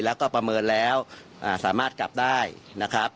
แล้วก็ประเมินแล้วสามารถกลับได้นะครับ